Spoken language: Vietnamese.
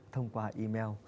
thông qua email